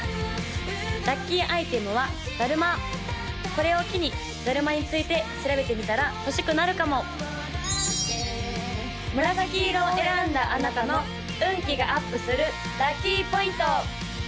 ・ラッキーアイテムはだるまこれを機にだるまについて調べてみたら欲しくなるかも紫色を選んだあなたの運気がアップするラッキーポイント！